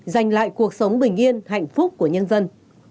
giành lại cuộc sống bình yên hạnh phúc của nhân dân